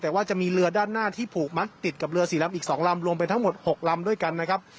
แต่ว่าจะมีเรือด้านหน้าที่ผูกมัดติดกับเรือสีลำอีก๒ลำรวมไปทั้งหมด๖ลำด้วยกันนะครับ